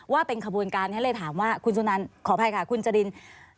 ว่าเป็นขบวนการฉันเลยถามว่าคุณสุนันขออภัยค่ะคุณจริน